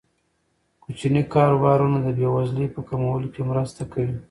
کوچني کاروبارونه د بې وزلۍ په کمولو کې مرسته کوي.